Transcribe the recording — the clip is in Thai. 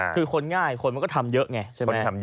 คือคนง่ายคนก็ทำเยอะไง